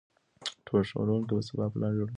ښوونکي به سبا پلان جوړوي.